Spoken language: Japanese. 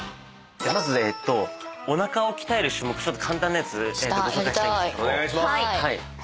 まずおなかを鍛える種目簡単なやつご紹介したいんですけど。